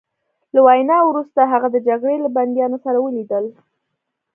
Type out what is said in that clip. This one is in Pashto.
له وینا وروسته هغه د جګړې له بندیانو سره ولیدل